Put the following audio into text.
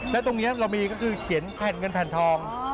แล้วตรงนี้เรามีก็คือเขียนแผ่นเงินแผ่นทอง